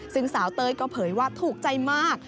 ซึ่งสาวเต้ยก็เผยว่าถูกใจมาก